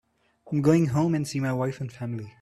I'm going home and see my wife and family.